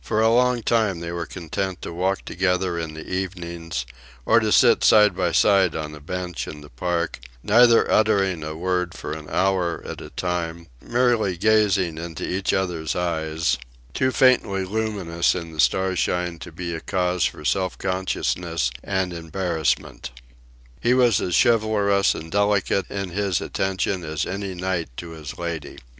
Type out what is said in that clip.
For a long time they were content to walk together in the evenings, or to sit side by side on a bench in the park, neither uttering a word for an hour at a time, merely gazing into each other's eyes, too faintly luminous in the starshine to be a cause for self consciousness and embarrassment. He was as chivalrous and delicate in his attention as any knight to his lady.